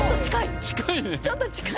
ちょっと近い。